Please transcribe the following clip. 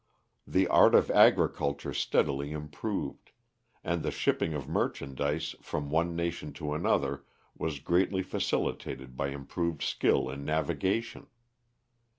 The art of agriculture steadily improved; and the shipping of merchandise from one nation to another was greatly facilitated by improved skill in navigation.